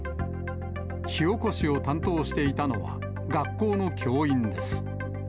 火おこしを担当していたのは学校の教員です。